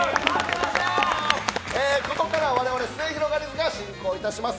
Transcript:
ここから我々、すゑひろがりずが進行いたします。